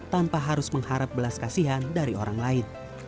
tanpa harus mengharap belas kasihan dari orang lain